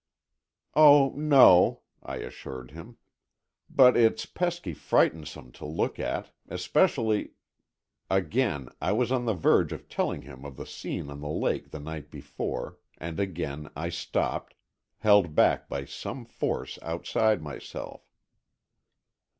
"Oh, no," I assured him, "but it's pesky frightensome to look at, especially——" Again I was on the verge of telling him of the scene on the lake the night before, and again I stopped, held back by some force outside myself.